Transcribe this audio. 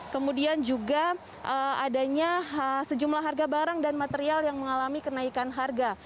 kemudian juga adanya sejumlah harga barang dan material yang mengalami kenaikan harga